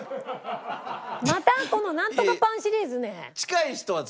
またこのなんとかパンシリーズ？ねえ。